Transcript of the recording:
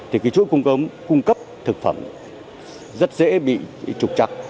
thì cái chuỗi cung cấp thực phẩm rất dễ bị trục chặt